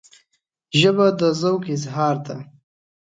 ژبه د ذوق اظهار ده